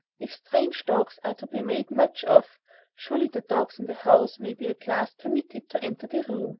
If strange dogs are to be made much of, surely the dogs in the house may be at least permitted to enter the room."